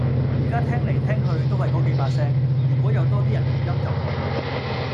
而家聽嚟聽去都係嗰幾把聲，如果有多啲人錄音就好